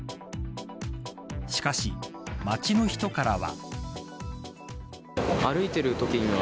しかし、街の人からは。